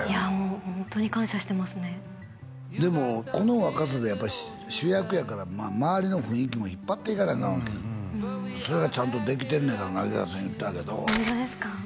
ホントに感謝してますねでもこの若さでやっぱり主役やから周りの雰囲気も引っ張っていかなあかんわけよそれがちゃんとできてんねんから梛川さん言ってたけどホントですか？